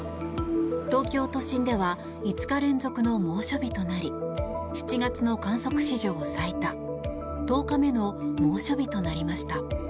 東京都心では５日連続の猛暑日となり７月の観測史上最多１０日目の猛暑日となりました。